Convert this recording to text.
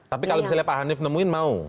tapi kalau misalnya pak hani menemui mau